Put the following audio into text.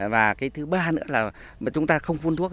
và thứ ba nữa là chúng ta không phun thuốc